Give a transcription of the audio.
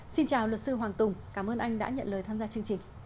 xin chào luật sư hoàng tùng cảm ơn anh đã nhận lời tham gia chương trình